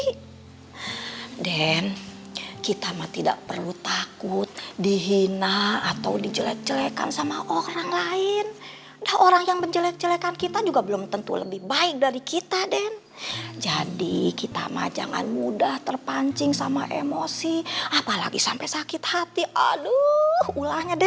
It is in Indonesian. hai dan kita mah tidak perlu takut dihina atau di jelek jelekan sama orang lain orang yang menjelek jelekan kita juga belum tentu lebih baik dari kita den jadi kita mah jangan mudah terpancing sama emosi apalagi sampai sakit hati aduh ulangnya dem